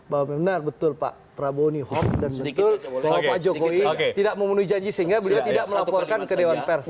bahwa benar betul pak prabowo ini home dan betul bahwa pak jokowi tidak memenuhi janji sehingga beliau tidak melaporkan ke dewan pers